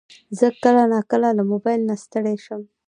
زه کله ناکله له موبایل نه ستړی شم.